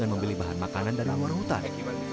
mereka membeli bahan bahan makanan dari luar hutan